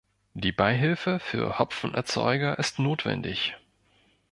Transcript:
Die Beihilfe für Hopfenerzeuger ist notwendig.